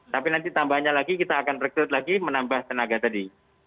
tapi nanti tambahnya lagi kita akan rekrut lagi menambah tenaga tadi